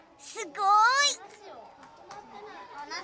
すごい！